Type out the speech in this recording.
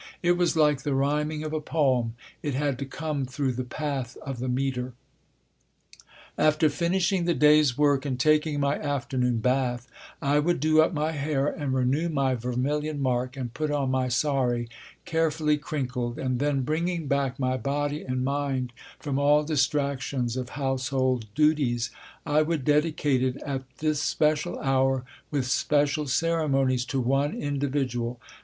It was like the rhyming of a poem; it had to come through the path of the metre. After finishing the day's work and taking my afternoon bath, I would do up my hair and renew my vermilion mark and put on my __sari__, carefully crinkled; and then, bringing back my body and mind from all distractions of household duties, I would dedicate it at this special hour, with special ceremonies, to one individual.